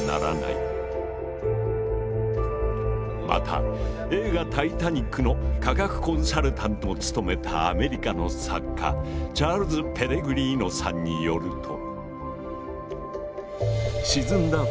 また映画「タイタニック」の科学コンサルタントも務めたアメリカの作家チャールズ・ペレグリーノさんによると。